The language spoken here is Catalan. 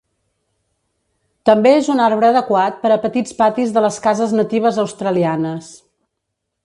També és un arbre adequat per a petits patis de les cases natives australianes.